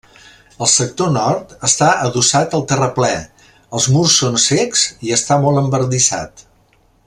El sector nord està adossat al terraplè, els murs són cecs i està molt embardissat.